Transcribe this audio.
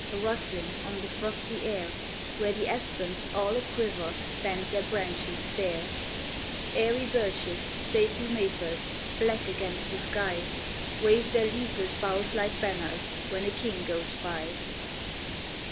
a rustling On the frosty air, Where the aspens, all a quiver, Bend their branches bare ; Airy birches, stately maples, Black against the sk^^, Wave their leafless boughs like banners When a king goes by.